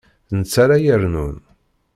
D netta ara yernun.